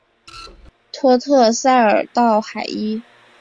托特塞尔道海伊。